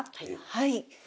はい。